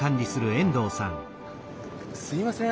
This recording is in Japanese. すみません。